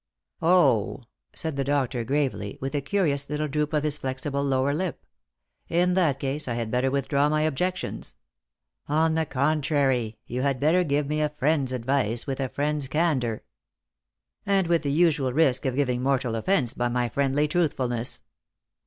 "!" said the doctor gravely, with a curious little droop of his flexible lower lip. " In that case I had better withdraw my objections." " On the contrary, you had better give me a friend's advice with a friend's candour." "And with the usual risk of giving mortal offence by my friendly truthfulness."